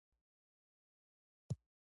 پیاز د کچالو سره ښه خوري